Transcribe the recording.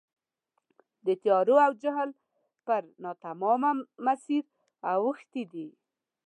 د تیارو او جهل پر ناتمامه مسیر اوښتي دي.